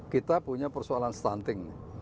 kita punya persoalan stunting